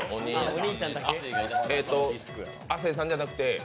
亜生さんじゃなくて？